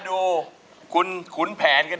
บางราชรรพ์